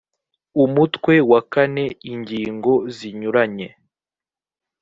umutwe wa kane ingingo zinyuranye